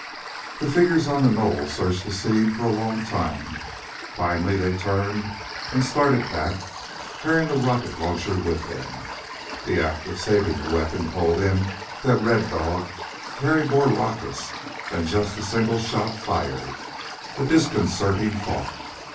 The figures on the knoll searched the scene for a long time. Finally they turned and started back, carrying the rocket launcher with them. The act of saving the weapon told him that Red Dog carried more rockets than just the single shot fired a disconcerting thought.